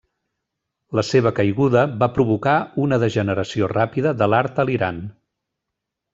La seva caiguda va provocar una degeneració ràpida de l'art a l'Iran.